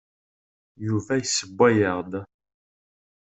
Yuba yessewway-aɣ-d.